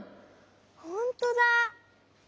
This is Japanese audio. ほんとだ！